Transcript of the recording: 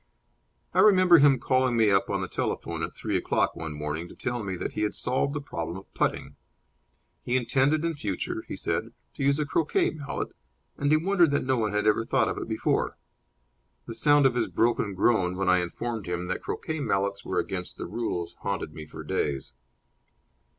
I remember him calling me up on the telephone at three o'clock one morning to tell me that he had solved the problem of putting. He intended in future, he said, to use a croquet mallet, and he wondered that no one had ever thought of it before. The sound of his broken groan when I informed him that croquet mallets were against the rules haunted me for days.